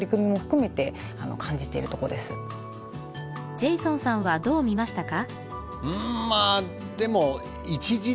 ジェイソンさんはどう見ましたか？